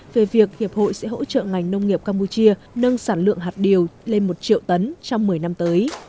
về việc hiệp hội sẽ hỗ trợ ngành nông nghiệp campuchia nâng sản lượng hạt điều lên một triệu tấn trong một mươi năm tới